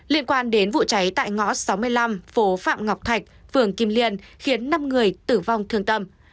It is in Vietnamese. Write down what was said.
liên quan đến vụ cháy tại ngõ sáu mươi năm phố phạm ngọc thạch phường kim liên khiến năm người tử vong thương tâm